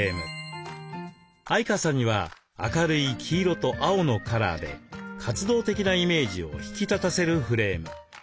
相川さんには明るい黄色と青のカラーで活動的なイメージを引き立たせるフレーム。